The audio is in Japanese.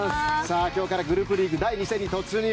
今日からグループリーグは第２戦に突入。